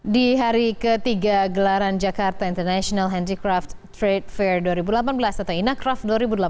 di hari ketiga gelaran jakarta international handicraft trade fair dua ribu delapan belas atau inacraft dua ribu delapan belas